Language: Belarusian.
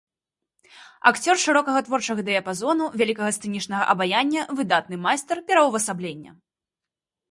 Акцёр шырокага творчага дыяпазону, вялікага сцэнічнага абаяння, выдатны майстар пераўвасаблення.